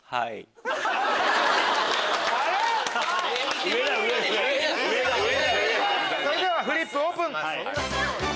あれ⁉それではフリップオープン！